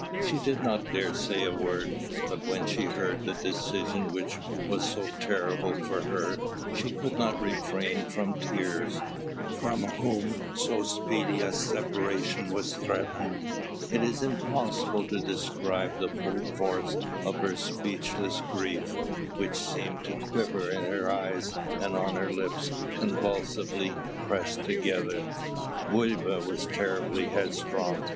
She did not dare say a word; but when she heard the decision which was so terrible for her, she could not refrain from tears. As she looked at her children, from whom so speedy a separation was threatened, it is impossible to describe the full force of her speechless grief, which seemed to quiver in her eyes and on her lips convulsively pressed together. Bulba was terribly headstrong.